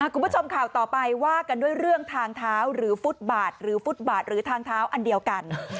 คุณผู้ชมข่าวต่อไปว่ากันด้วยเรื่องทางเท้าหรือฟุตบาทหรือฟุตบาทหรือทางเท้าอันเดียวกัน